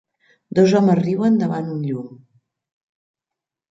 Dos homes riuen davant un llum.